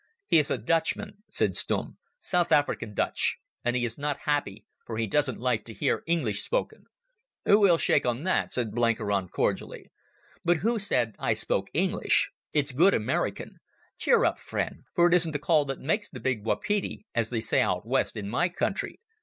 "He is a Dutchman," said Stumm; "South African Dutch, and he is not happy, for he doesn't like to hear English spoken." "We'll shake on that," said Blenkiron cordially. "But who said I spoke English? It's good American. Cheer up, friend, for it isn't the call that makes the big wapiti, as they say out west in my country.